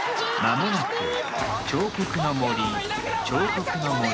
間もなく彫刻の森。